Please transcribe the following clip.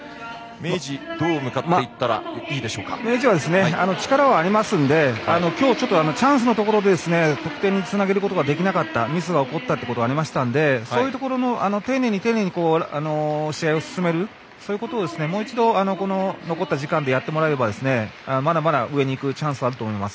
明治は、力はありますのできょうチャンスのところで得点につなげることができなかったミスが起こったということがありましたので丁寧に丁寧に試合を進める、そういうことをもう一度残った時間でやってもらえればまだまだ、上にいくチャンス